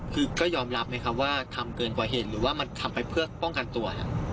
คือก็ยอมรับไหมครับว่าทำเกินกว่าเหตุหรือว่ามันทำไปเพื่อป้องกันตัว